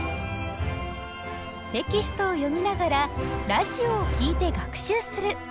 テキストを読みながらラジオを聴いて学習する。